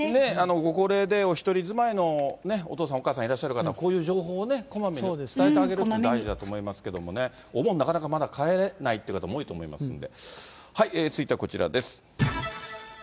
ご高齢でお一人住まいのお父さん、お母さんいらっしゃる方、こういう情報をね、こまめに伝えてあげるのも大事だと思いますけれどもね、お盆なかなかまだ帰れないって方も多いと思いますんで。